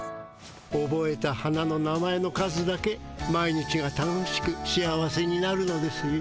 おぼえた花の名前の数だけ毎日が楽しく幸せになるのですよ。